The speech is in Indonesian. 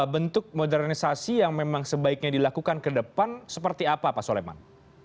bentuk modernisasi yang memang sebaiknya dilakukan ke depan seperti apa pak soleman